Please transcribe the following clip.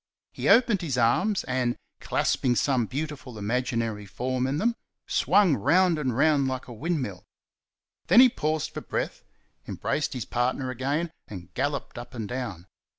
He opened his arms and, clasping some beautiful imaginary form in them, swung round and round like a windmill. Then he paused for breath, embraced his partner again, and "galloped" up and down.